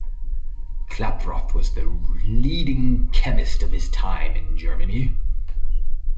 Klaproth was the leading chemist of his time in Germany.